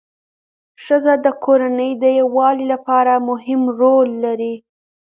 ښځه د کورنۍ د یووالي لپاره مهم رول لري